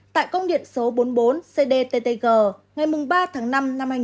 tại công điện số bốn mươi bốn cdttg ngày ba tháng năm năm hai nghìn bốn